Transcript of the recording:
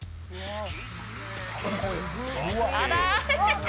あら。